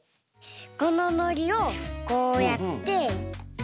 こののりをこうやって。